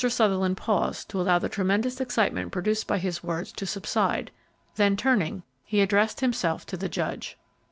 Sutherland paused to allow the tremendous excitement produced by his words to subside; then turning, he addressed himself to the judge.